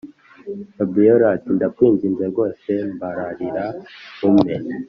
fabiora ati”ndakwinginze rwose mbararira umpe